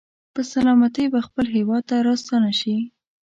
په سلامتۍ به خپل هېواد ته راستانه شي.